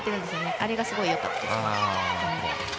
あれがすごいよかったです。